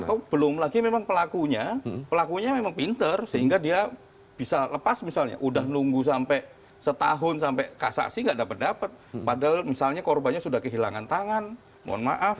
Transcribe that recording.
atau belum lagi memang pelakunya pelakunya memang pinter sehingga dia bisa lepas misalnya udah nunggu sampai setahun sampai kasasi nggak dapat dapat padahal misalnya korbannya sudah kehilangan tangan mohon maaf